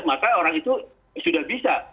maka orang itu sudah bisa